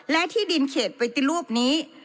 และที่ดินเขตปฏิรูปนี้